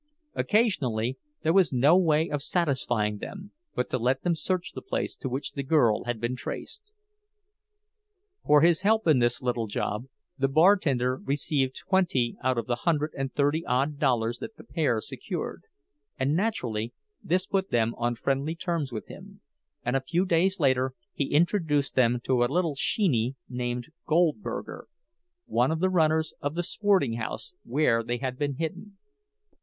Occasionally there was no way of satisfying them but to let them search the place to which the girl had been traced. For his help in this little job, the bartender received twenty out of the hundred and thirty odd dollars that the pair secured; and naturally this put them on friendly terms with him, and a few days later he introduced them to a little "sheeny" named Goldberger, one of the "runners" of the "sporting house" where they had been hidden.